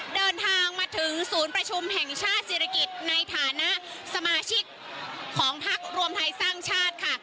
เดินทางมาถึงศูนย์ประชุมแห่งชาติศิริกิจในฐานะสมาชิกของพักรวมไทยสร้างชาติค่ะ